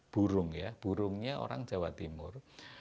burung ya burungnya orang jawa timur